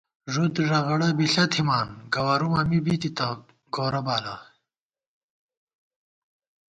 ݫُد ݫغڑہ بݪہ تھِمان گوَرُومہ می بی تِتہ گورہ بالہ